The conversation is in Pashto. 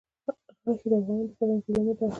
غوښې د افغانانو د فرهنګي پیژندنې برخه ده.